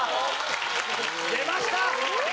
出ました！